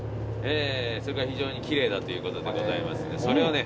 それが非常に奇麗だということでございますんでそれをね